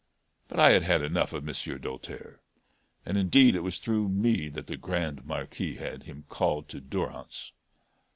But I had had enough of Monsieur Doltaire; and indeed it was through me that the Grande Marquise had him called to durance.